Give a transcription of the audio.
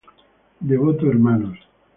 Devoto Hnos.